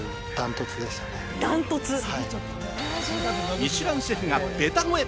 ミシュランシェフがベタ褒め。